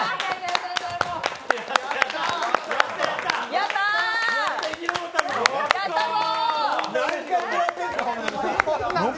やったぞ。